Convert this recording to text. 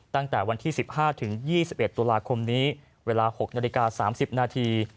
ตั้งแต่วันที่๑๕๒๑ตุลาคมนี้เวลา๖นาฬิกา๓๐นาที